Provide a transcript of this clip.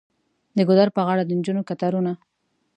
د ګودر په غاړه د نجونو کتارونه.